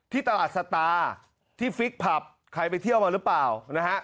ที่ตลาดสตาร์ที่ฟิกผับใครไปเที่ยวมาหรือเปล่านะฮะ